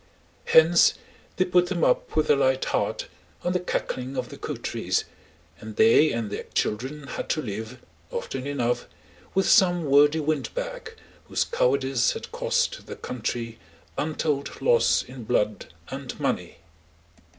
Hence they put them up with a light heart on the cackling of their côteries, and they and their children had to live, often enough, with some wordy windbag whose cowardice had cost the country untold loss in blood and money.